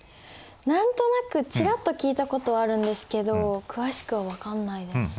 何となくちらっと聞いたことはあるんですけど詳しくは分かんないです。